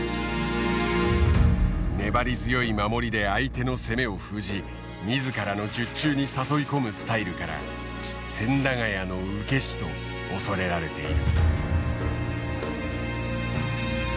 粘り強い守りで相手の攻めを封じ自らの術中に誘い込むスタイルから千駄ヶ谷の受け師と恐れられている。